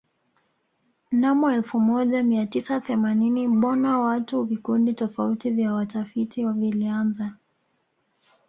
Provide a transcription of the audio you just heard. Mnamo elfu moja Mia tisa themanini bona tatu vikundi tofauti vya watafiti vilianza